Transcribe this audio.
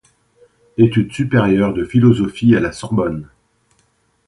Études supérieures de philosophie à la Sorbonne.